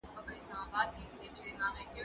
بوټونه پاک کړه؟